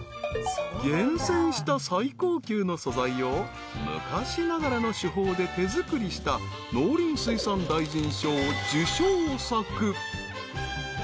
［厳選した最高級の素材を昔ながらの手法で手作りした農林水産大臣賞受賞作］